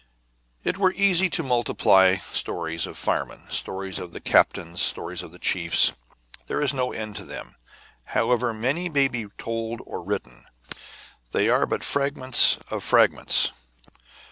It were easy to multiply stories of the firemen, stories of the captains, stories of the chiefs there is no end to them. However many may be told or written, they are but fragments of fragments.